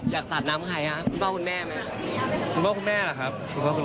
อยากให้ทุกคนได้รอฟังกัน